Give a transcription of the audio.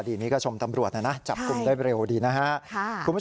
ดีนี้ก็ชมตำรวจนะนะจับกลุ่มได้เร็วดีนะฮะ